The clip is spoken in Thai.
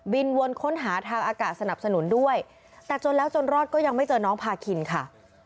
วนค้นหาทางอากาศสนับสนุนด้วยแต่จนแล้วจนรอดก็ยังไม่เจอน้องพาคินค่ะ